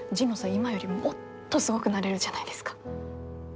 今よりもっとすごくなれるじゃないですか。